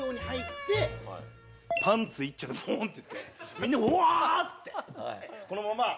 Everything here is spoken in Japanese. みんなうわ！って。